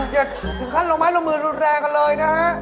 อย่าถึงขั้นลงไม้ลงมือรุนแรงกันเลยนะฮะ